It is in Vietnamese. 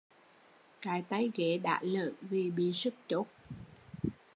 Cái tay ghế đã lởn vì bị sứt chốt